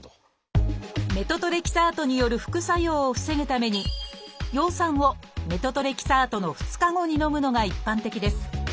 メトトレキサートによる副作用を防ぐために葉酸をメトトレキサートの２日後にのむのが一般的です。